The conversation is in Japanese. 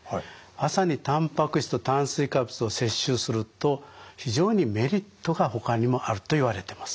朝にたんぱく質と炭水化物を摂取すると非常にメリットがほかにもあるといわれてます。